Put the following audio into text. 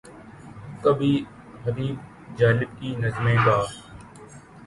کبھی حبیب جالب کی نظمیں گا۔